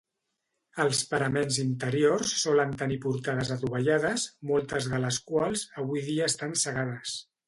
Els paraments interiors solen tenis portades adovellades, moltes de les quals, avui dia estan cegades.